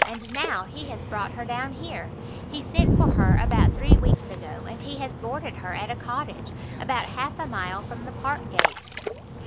and now he has brought her down here; he sent for her about three weeks ago, and he has boarded her at a cottage, about half a mile from the Park gate."